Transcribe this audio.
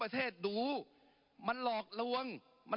ปรับไปเท่าไหร่ทราบไหมครับ